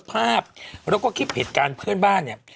ภาพแล้วก็คลิปเหตุการณ์เพื่อนบ้านเนี่ย